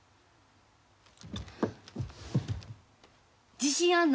自信あるの？